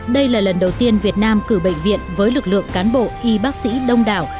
đây là lần đầu tiên việt nam cử bệnh viện với lực lượng cán bộ y bác sĩ đông đảo